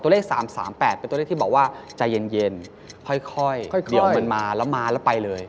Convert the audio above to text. ตัวเลขสามสามแปดเป็นตัวเลขที่บอกว่าใจเย็นเย็นค่อยเดี๋ยวมันมาแล้วมาแล้วไปเลย